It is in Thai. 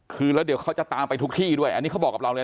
คือแล้วเดี๋ยวเขาจะตามไปทุกที่ด้วยอันนี้เขาบอกกับเราเลย